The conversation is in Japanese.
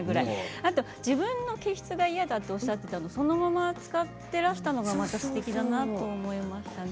あと自分の毛質が、嫌だとおっしゃっていたんですけどそのまま使っていらしたのがまたすてきだなと思いましたね。